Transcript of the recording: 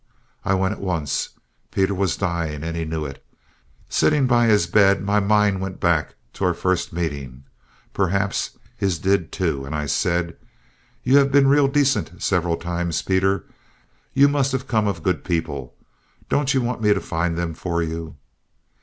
I went at once. Peter was dying, and he knew it. Sitting by his bed, my mind went back to our first meeting perhaps his did too and I said: "You have been real decent several times, Peter. You must have come of good people; don't you want me to find them for you?"